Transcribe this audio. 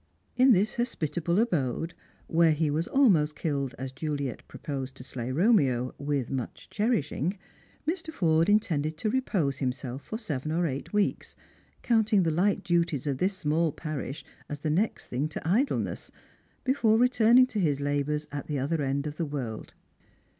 In this hospitable abode, where he was almost tilled, as Juliet proposed to slay Romeo, with much cherishing, Mr. Forde intended to repose himself for seven or eight weeks, counting the light duties of this small parish as the next thiner 288 Strangers and Pilgrims. to idleness, before returning to his labours at the other end ot the world.